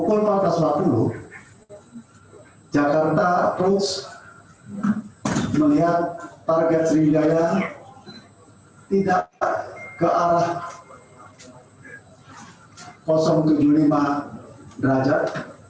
pukul empat belas tiga puluh jakarta approach melihat target seri daya tidak ke arah tujuh puluh lima derajat